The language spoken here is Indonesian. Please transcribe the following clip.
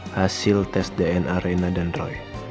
hasil tes dna dan roy